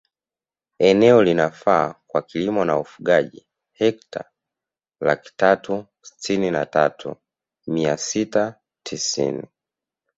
Eneo linalofaa kwa kilimo naufugaji hekta laki tatu sitini na tatu mia sita tisini